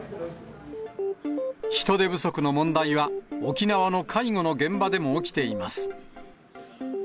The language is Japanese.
人手不足の問題は、沖縄の介護の現場でも起きています。